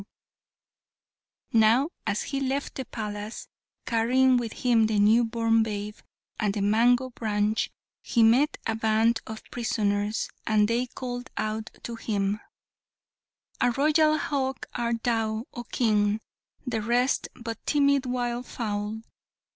Now, as he left the palace, carrying with him the new born babe and the mango branch, he met a band of prisoners, and they called out to him, "A royal hawk art thou, oh King! the rest But timid wild fowl.